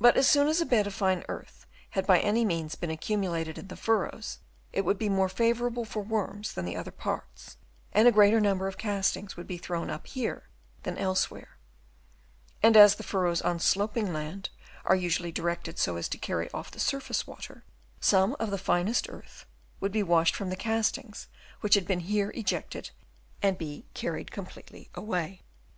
But as soon as a bed of fine earth had by any means been accumulated in the furrows, it would be more favourable for worms than the other parts, and a greater number of castings would be thrown up here than elsewhere ; and as the furrows on sloping land are usually directed so as to carry off the surface water, some of the finest earth would be washed from the castings which had been here ejected and be carried completely away.